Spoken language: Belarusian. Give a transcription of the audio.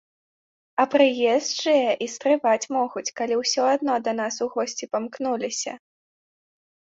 А прыезджыя і стрываць могуць, калі ўсё адно да нас у госці памкнуліся.